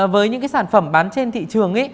với những sản phẩm bán trên thị trường